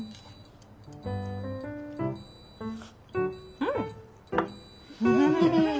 うん。